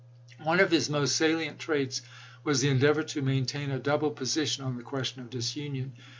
One of his most salient traits was the endeavor to maintain a double position on the question of disunion.